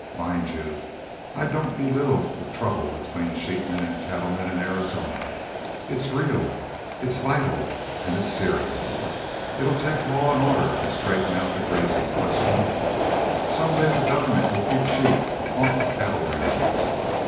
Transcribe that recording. ... Mind you, I don't belittle the trouble between sheepmen an' cattlemen in Arizona. It's real an' it's vital an' it's serious. It 'll take law an' order to straighten out the grazin' question. Some day the government will keep sheep off of cattle ranges....